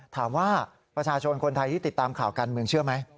ถามว่าประชาชนคนไทยที่ติดตามข่าวการเมืองเชื่อไหม